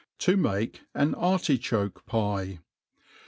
To mah an Ariichoke' Pie.